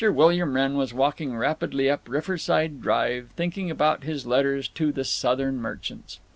William Wrenn was walking rapidly up Riverside Drive, thinking about his letters to the Southern merchants.